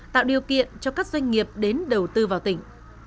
tạo điều kiện cho các doanh nghiệp đến đầu tư vào tỉnh